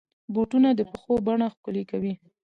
بوټونه د پښو بڼه ښکلي کوي.